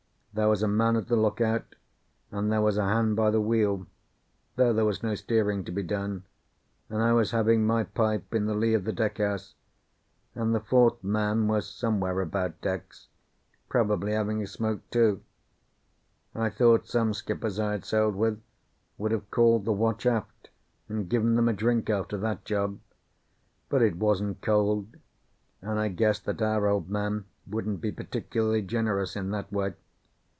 There was a man at the lookout, and there was a hand by the wheel, though there was no steering to be done, and I was having my pipe in the lee of the deck house, and the fourth man was somewhere about decks, probably having a smoke, too. I thought some skippers I had sailed with would have called the watch aft, and given them a drink after that job, but it wasn't cold, and I guessed that our Old Man wouldn't be particularly generous in that way.